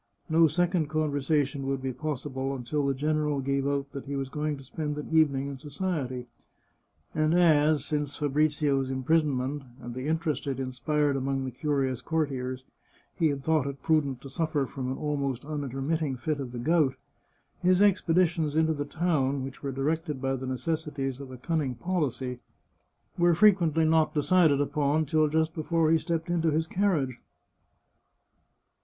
No second conversation would be possible until the gen eral gave out that he was going to spend an evening in society. And as, since Fabrizio's imprisonment, and the interest it inspired among the curious courtiers, he had thought it prudent to suffer from an almost unintermitting fit of the gout, his expeditions into the town, which were directed by the necessities of a cunning policy, were fre 371 The Chartreuse of Parma quently not decided upon till just before he stepped into his carriage.